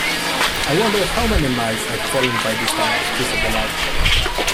‘I wonder how many miles I’ve fallen by this time?’ she said aloud.